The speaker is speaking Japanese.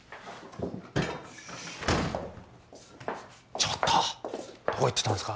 ちょっとどこ行ってたんですか？